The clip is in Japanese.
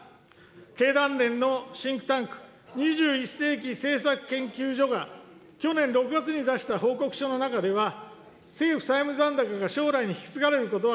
経団連のシンクタンク、２１世紀政策研究所が去年６月に出した報告書の中では、政府債務残高が将来に引き継がれることは、